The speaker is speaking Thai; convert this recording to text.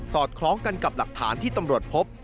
อดคล้องกันกับหลักฐานที่ตำรวจพบ